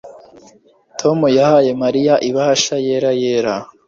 Tom yahaye Mariya ibahasha yera yera